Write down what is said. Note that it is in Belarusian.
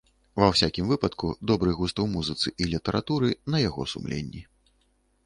Ва ўсякім выпадку добры густ у музыцы і літаратуры на яго сумленні.